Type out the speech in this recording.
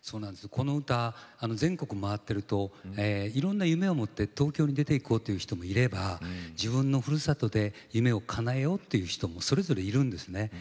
この歌全国回ってるといろんな夢を持って東京に出ていこうという人もいれば自分のふるさとで夢をかなえようっていう人もそれぞれいるんですね。